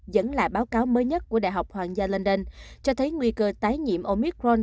dẫn lại báo cáo mới nhất của đh hoàng gia london cho thấy nguy cơ tái nhiễm omicron